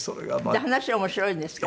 で話面白いんですか？